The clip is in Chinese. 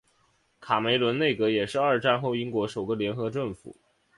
卡梅伦内阁也是二战后英国首个联合政府。